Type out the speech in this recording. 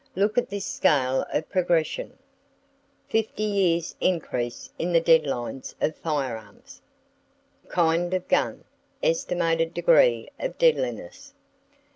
Look at this scale of progression: Fifty Years' Increase In The Deadliness Of Firearms. KIND OF GUN. ESTIMATED DEGREE OF DEADLINESS.